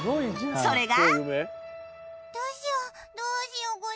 それが